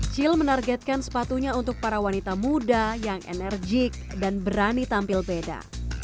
cil menargetkan sepatunya untuk para wanita muda yang enerjik dan berani tampil beda